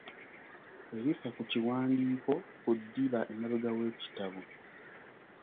Ebifa ku kiwandiiko ku ddiba emabega w’ekitabo.